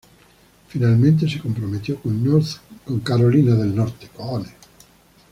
Finalmente se comprometió con North Carolina.